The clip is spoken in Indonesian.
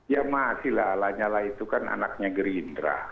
ya masih lah lanya lah itu kan anaknya gerindra